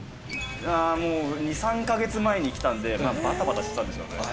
もう２、３か月前に来たんで、ばたばたしてたんでしょうね。